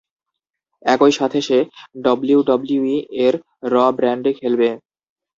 একই সাথে সে ডব্লিউডব্লিউই-এর র ব্র্যান্ডে খেলবে।